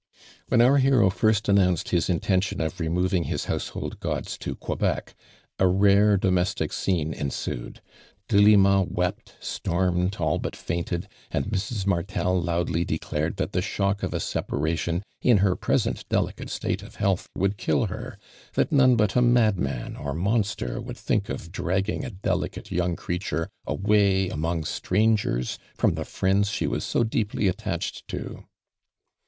j When our hero first announced his in tention of removing his household gods i to Quebei', a rare domestic scene ensued. i Delima wept, stormed, all but fainted, and i Mrs. Martel loudly declared tliat tlie shock of a separation in her present delicate state of health would kill her— that none but a madman or monster would think of dragging a delicate young creature away among strangei s from the friends she was so deeply attached to.